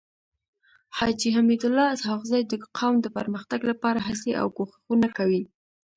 حاجي حميدالله اسحق زی د قوم د پرمختګ لپاره هڅي او کوښښونه کوي.